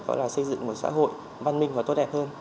gọi là xây dựng một xã hội văn minh và tốt đẹp hơn